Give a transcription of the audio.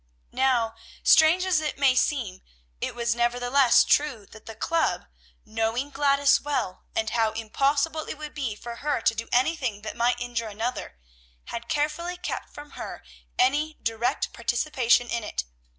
Now, strange as it may seem, it was nevertheless true that the club, knowing Gladys well, and how impossible it would be for her to do anything that might injure another, had carefully kept from her any direct participation in it.